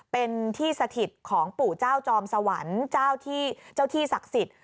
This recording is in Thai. เป็นที่สถิตของปู่เจ้าจอมสวรรค์เจ้าที่ศักดิ์สิทธิ์